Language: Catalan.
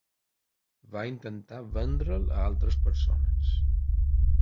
Va intentar vendre'l a altres persones.